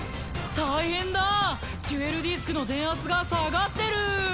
大変だデュエルディスクの電圧が下がってる。